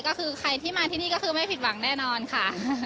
ก็คือใครที่มาที่นี่ก็คือไม่ผิดหวังแน่นอนค่ะ